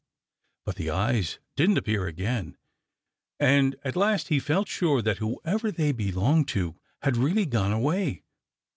But the eyes didn't appear again, and at last he felt sure that whoever they belonged to had really gone away.